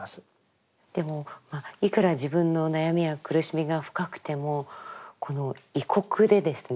でもいくら自分の悩みや苦しみが深くてもこの異国でですね